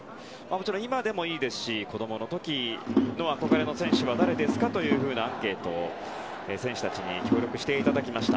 今でもいいですし子供の時の憧れの選手は誰ですかというアンケートに選手たちに協力していただきました。